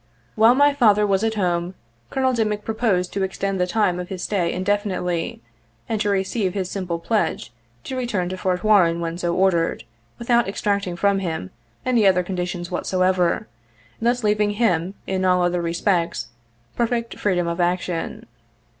While my father was at home Col. Dimick proposed to extend the time of his stay indefinitely, and to receive his simple pledge to return to Fort Warren when so ordered, without exacting from him any other conditions whatsoever, thus leaving him, in all other respects, perfect freedom of action.